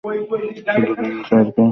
শুধু যদি স্যার আমাকে একটা উপদেশ দেন।